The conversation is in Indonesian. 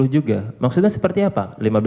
juga maksudnya seperti apa lima belas tiga puluh